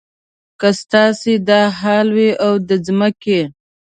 که ستاسې دا حال وي او د ځمکې.